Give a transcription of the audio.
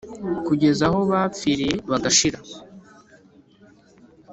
kugeza aho bapfiriye bagashira. “